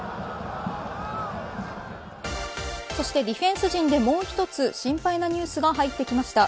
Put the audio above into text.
そしてディフェンス陣でもう一つ、心配なニュースが入ってきました。